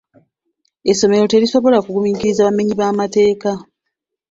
Essomero terisobola kugumiikiriza bamenyi b'amateeka.